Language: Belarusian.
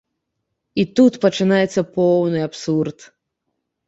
І тут пачынаецца поўны абсурд.